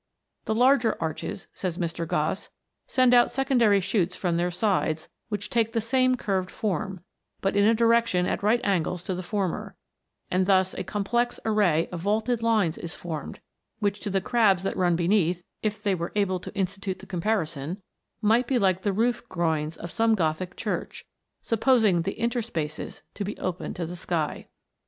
" The larger arches," says Mr. Gosse, " send out secondary shoots from their sides, which take the same curved form, but in a direction at right angles to the former : and thus a complex array of vaulted lines is formed, which to the crabs that run beneath if they were able to institute the comparison, must be like the roof groins of some Gothic church, supposing the interspaces to be open to the sky."